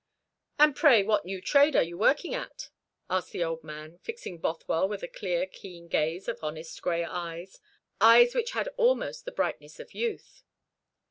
"And, pray, what new trade are you working at?" asked the old man, fixing Bothwell with the clear keen gaze of honest gray eyes, eyes which had almost the brightness of youth.